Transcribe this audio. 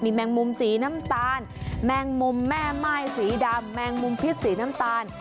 แมงมุมสีน้ำตาลแมงมุมแม่ม่ายสีดำแมงมุมพิษสีน้ำตาล